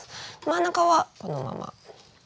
真ん中はこのまま。